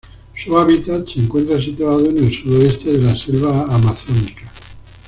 Su hábitat se encuentra situado en el sudoeste de la selva amazónica.